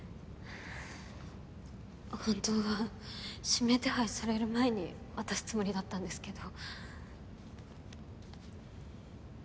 本当は指名手配される前に渡すつもりだったんですけど。